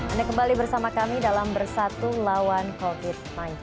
anda kembali bersama kami dalam bersatu lawan covid sembilan belas